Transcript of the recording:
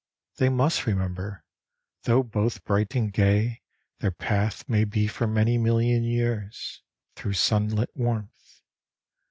They must remember, though both bright and gay Their path may be for many million years, Through sunlit warmth.